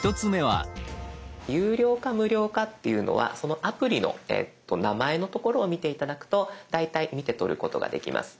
有料か無料かっていうのはそのアプリの名前のところを見て頂くと大体見て取ることができます。